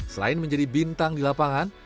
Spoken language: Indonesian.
selain menjadi bintang di lapangan